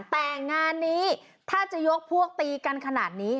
แต่งานนี้ถ้าจะยกพวกตีกันขนาดนี้